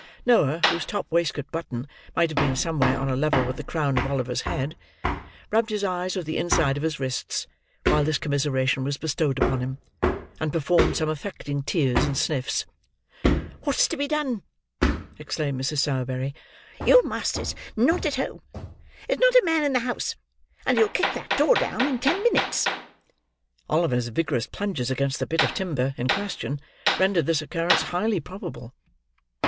Noah, whose top waistcoat button might have been somewhere on a level with the crown of Oliver's head, rubbed his eyes with the inside of his wrists while this commiseration was bestowed upon him, and performed some affecting tears and sniffs. "What's to be done!" exclaimed Mrs. Sowerberry. "Your master's not at home; there's not a man in the house, and he'll kick that door down in ten minutes." Oliver's vigorous plunges against the bit of timber in question, rendered this occurance highly probable.